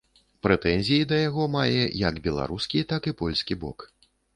Прэтэнзіі да яго мае як беларускі, так і польскі бок.